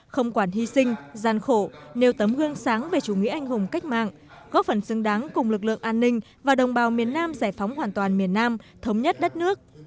không quản hy sinh gian khổ nêu tấm gương sáng về chủ nghĩa anh hùng cách mạng góp phần xứng đáng cùng lực lượng an ninh và đồng bào miền nam giải phóng hoàn toàn miền nam thống nhất đất nước